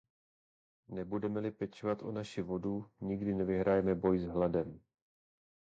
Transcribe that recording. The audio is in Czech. Nebudeme-li pečovat o naši vodu, nikdy nevyhrajeme boj s hladem.